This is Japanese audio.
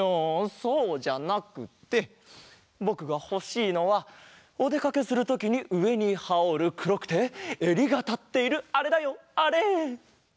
そうじゃなくてぼくがほしいのはおでかけするときにうえにはおるくろくてえりがたっているあれだよあれ！